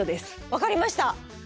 分かりました！